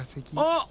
あっ！